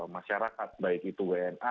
masyarakat baik itu wna